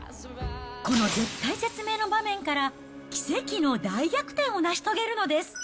この絶体絶命の場面から、奇跡の大逆転を成し遂げるのです。